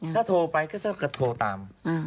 ถ้าโทรไปก็จะโทรตาม